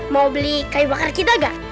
mau beli kayu bakar kita gak